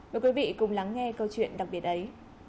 mời quý vị cùng lắng nghe câu chuyện đặc biệt ấy